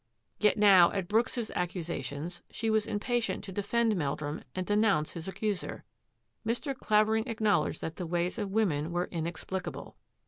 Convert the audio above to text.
Yet now, at Brooks's accusations, she was impa tient to defend Meldrum and denounce his accuser. Mr. Clavering acknowledged that the ways of women were inexplicable.